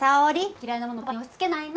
嫌いなものパパに押しつけないの！